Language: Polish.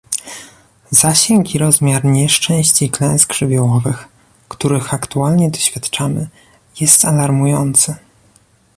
Zasięg i rozmiar nieszczęść i klęsk żywiołowych, których aktualnie doświadczamy, jest alarmujący